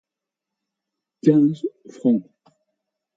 Quinze francs.